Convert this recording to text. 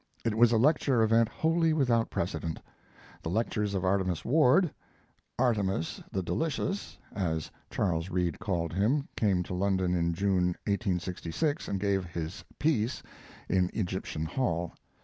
It was a lecture event wholly without precedent. The lectures of Artemus Ward, ["Artemus the delicious," as Charles Reade called him, came to London in June, 1866, and gave his "piece" in Egyptian Hall.